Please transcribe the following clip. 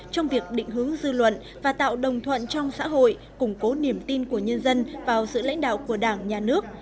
trong việc định hướng dư luận và tạo đồng thuận trong xã hội củng cố niềm tin của nhân dân vào sự lãnh đạo của đảng nhà nước